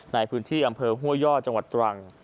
ในพื้นที่อำเภอห้วยย่อจังหวัดตรัง